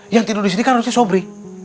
yang tidur disini kan harusnya sobri